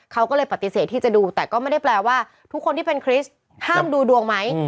เขาก็เลยปฏิเสธที่จะดูแต่ก็ไม่ได้แปลว่าทุกคนที่เป็นคริสต์ห้ามดูดวงไหม